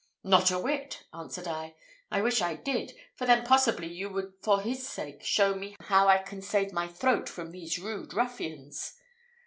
'Not a whit,' answered I: 'I wish I did, for then possibly you would for his sake show me how I can save my throat from these rude ruffians.'